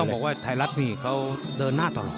บอกว่าไทยรัฐนี่เขาเดินหน้าตลอด